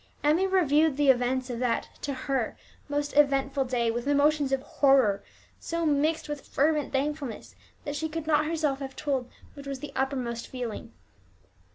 Emmie reviewed the events of that to her most eventful day with emotions of horror so mixed with fervent thankfulness, that she could not herself have told which was the uppermost feeling.